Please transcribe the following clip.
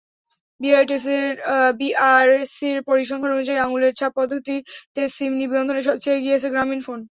বিটিআরসির পরিসংখ্যান অনুযায়ী, আঙুলের ছাপ পদ্ধতিতে সিম নিবন্ধনে সবচেয়ে এগিয়ে আছে গ্রামীণফোন।